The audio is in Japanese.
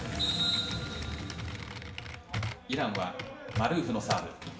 イランはマルーフのサーブ。